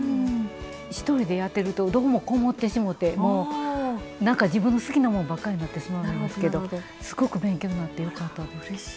１人でやってるとどうもこもってしもてもうなんか自分の好きなもんばっかりになってしまうんですけどすごく勉強になってよかったです。